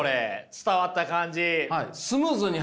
伝わった感じ。